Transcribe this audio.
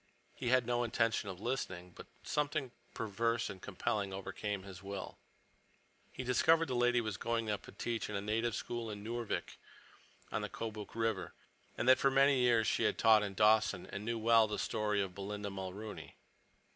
He had no intention of listening, but something perverse and compelling overcame his will. He discovered the lady was going up to teach in a native school at Noorvik, on the Kobuk River, and that for many years she had taught in Dawson and knew well the story of Belinda Mulrooney.